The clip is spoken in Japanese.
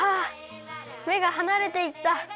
めがはなれていった。